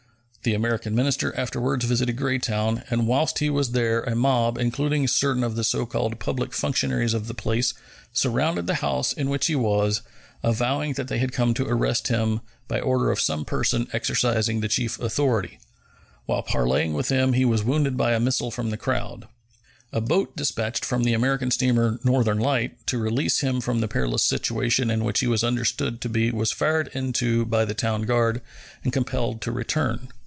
The American minister afterwards visited Greytown, and whilst he was there a mob, including certain of the so called public functionaries of the place, surrounded the house in which he was, avowing that they had come to arrest him by order of some person exercising the chief authority. While parleying with them he was wounded by a missile from the crowd. A boat dispatched from the American steamer Northern Light to release him from the perilous situation in which he was understood to be was fired into by the town guard and compelled to return.